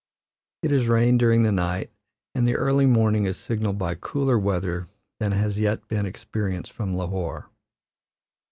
It has rained during the night, and the early morning is signalled by cooler weather than has yet been experienced from Lahore.